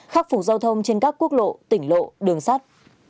khắc phục giao thông trên các quốc lộ tỉnh lộ đường sắt